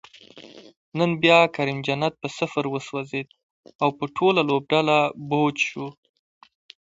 نن بیا کریم جنت په صفر وسوځید، او په ټوله لوبډله بوج شو